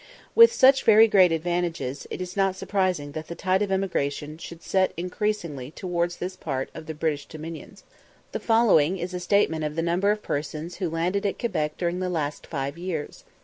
With such very great advantages, it is not surprising that the tide of emigration should set increasingly towards this part of the British dominions. The following is a statement of the number of persons who landed at Quebec during the last five years.